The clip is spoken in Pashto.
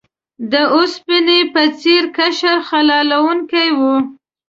د اوسپنې په څیر قشر خلا لرونکی وي.